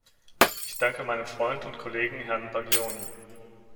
Ich danke meinem Freund und Kollegen Herrn Baggioni.